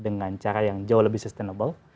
dengan cara yang jauh lebih sustainable